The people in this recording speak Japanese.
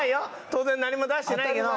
当然何も出してないけど。